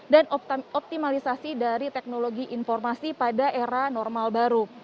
dan optimalisasi dari teknologi informasi pada era normal baru